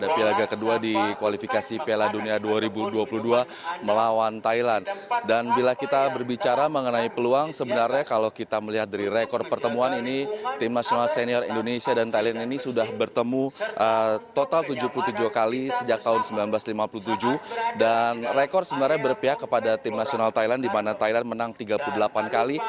pada para pengunjung di area komplek